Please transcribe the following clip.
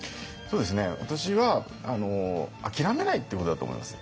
私は諦めないっていうことだと思います。